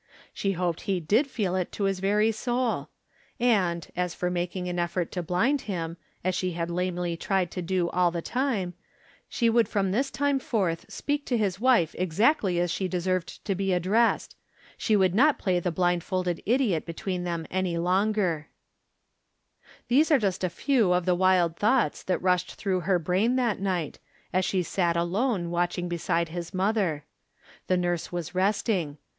She hoped he did feel it to liis very soul. And, as for making an effort to blind him, as she had lamely tried to do all the time, she would from this time forth speak to his wife exactly as she deserved to be addressed ; she would not play the blind folded idiot between them any longer. From Different Standpoints. 199 These are just a few of the wild thoughts that rushed tlirough her brain that night, as she sat alone watching beside his mother. The nurse wa,s resting.